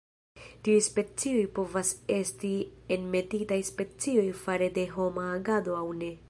Tiuj specioj povas esti enmetitaj specioj fare de homa agado aŭ ne.